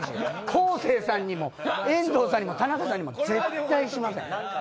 方正さんにも遠藤さんにも田中さんにも絶対しません。